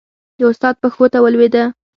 د استاد پښو ته ولوېده.